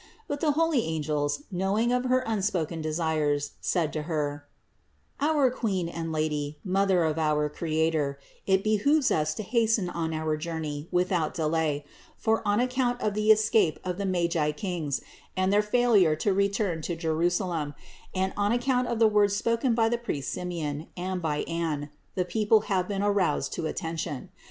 But the holy angels, knowing of her unspoken desires, said to Her: "Our Queen and Lady, Mother of our Creator, it behooves us to hasten on our journey without any delay; for on account of the escape of the magi Kings and their failure to return to Jerusalem, and on account of the words spoken by the priest Simeon, and by Anne, the people have been roused to attention.